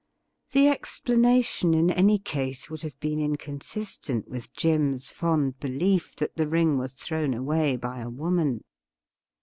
The explanation in any case would have been incon sistent with Jim's fond belief that the ring was thrown away by a woman.